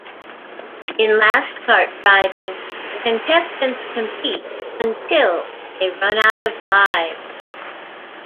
In "Last Kart Driving", the contestants compete until they run out of lives.